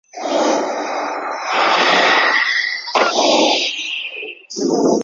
昂古斯廷埃斯卡勒德新城。